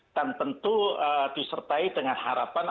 dan tentu disertai dengan harapan